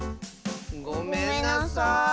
ごめんなさい。